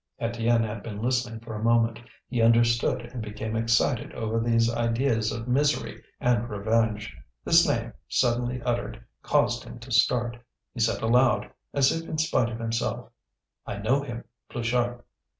Étienne had been listening for a moment; he understood and became excited over these ideas of misery and revenge. This name, suddenly uttered, caused him to start. He said aloud, as if in spite of himself: "I know him Pluchart."